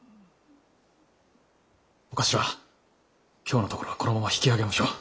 長官今日のところはこのまま引き上げましょう。